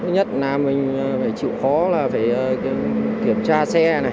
nhất là mình phải chịu khó kiểm tra xe